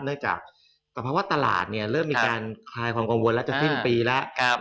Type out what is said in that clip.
แต่เพราะว่าตลาดเรียกมีการขายความกันบนนานแล้วจะสิ้นปีแล้ว